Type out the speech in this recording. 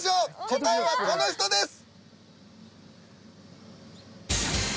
答えはこの人です。